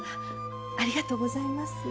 ありがとうございます。